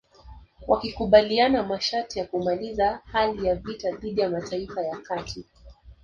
Wakikubaliana masharti ya kumaliza hali ya vita dhidi ya Mataifa ya Kati